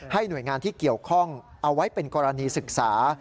หน่วยงานที่เกี่ยวข้องเอาไว้เป็นกรณีศึกษา